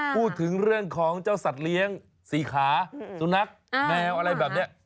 พูดถึงเรื่องของเจ้าสัตว์เลี้ยงสี่ขาสุนัขแมวอะไรแบบนี้